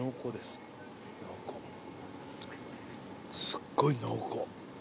すっごい濃厚。